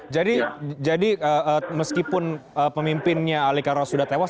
jadi jadi meskipun pemimpinnya ali kalora sudah tewas